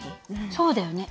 そうだよね